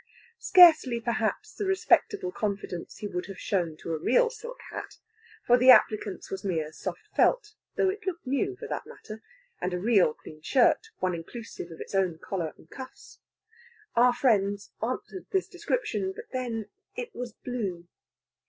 Scarcely, perhaps, the respectable confidence he would have shown to a real silk hat for the applicant's was mere soft felt, though it looked new, for that matter and a real clean shirt, one inclusive of its own collar and cuffs. Our friend's answered this description; but then, it was blue.